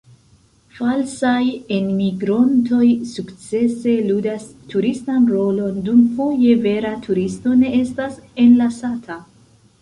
Falsaj enmigrontoj sukcese ludas turistan rolon, dum foje vera turisto ne estas enlasata.